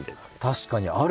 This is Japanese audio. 確かにある！